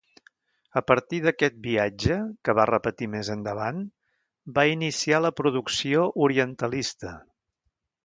A partir d'aquest viatge, que va repetir més endavant, va iniciar la producció orientalista.